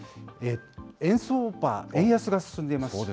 円相場、円安が進んでいますね。